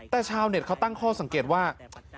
แต่ชาวเน็ตเขาตั้งข้อสังเกตว่า